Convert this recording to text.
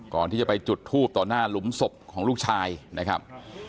ก่อนที่จะไปจุดทูบต่อหน้าหลุมศพของลูกชายนะครับ